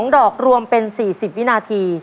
๒ดอกรวมเป็น๔๐วินาที